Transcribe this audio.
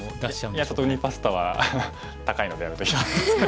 いやちょっとウニパスタは高いのでやめておきます。